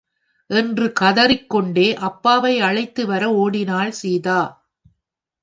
என்று கதறிக்கொண்டே அப்பாவை அழைத்துவர ஓடினாள் சீதா.